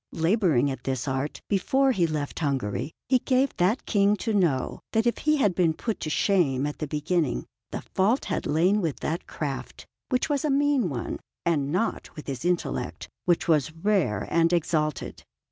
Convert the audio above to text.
Labouring at this art, before he left Hungary he gave that King to know that if he had been put to shame at the beginning, the fault had lain with that craft, which was a mean one, and not with his intellect, which was rare and exalted.